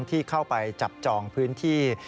ที่เข้าไปจับจองพื้นที่